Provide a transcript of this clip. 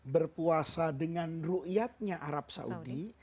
berpuasa dengan ru'iyatnya arab saudi